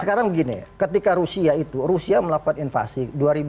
sekarang gini ketika rusia itu rusia melakukan invasi dua ribu dua